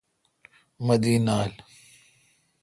مہ دی نال۔